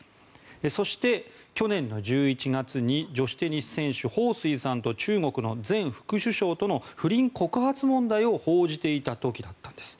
そして、去年の１１月に女子テニス選手ホウ・スイさんと中国の前副首相との不倫告発問題を報じていた時だったんです。